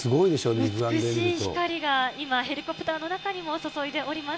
肉眼で美しい光が今、ヘリコプターの中にも注いでおります。